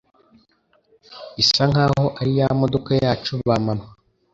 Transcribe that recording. isa nkaho ari ya modoka yacu ba mama